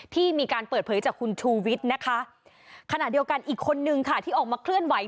ที่มีการเปิดเผยจากคุณชูวิทย์นะคะขณะเดียวกันอีกคนนึงค่ะที่ออกมาเคลื่อนไหว